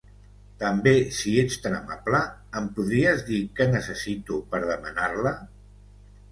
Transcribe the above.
També si ets tan amable, em podries dir què necessito per demanar-la?